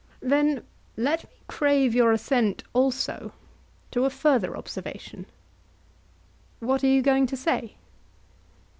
Then let me crave your assent also to a further observation. What are you going to say?